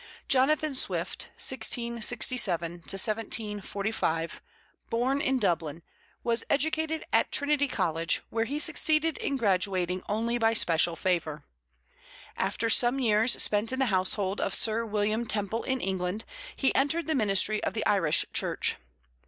Jonathan Swift (1667 1745), born in Dublin, was educated at Trinity College, where he succeeded in graduating only by special favor. After some years spent in the household of Sir William Temple in England, he entered the ministry of the Irish Church.